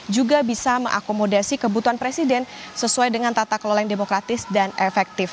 juga bisa mengakomodasi kebutuhan presiden sesuai dengan tata kelola yang demokratis dan efektif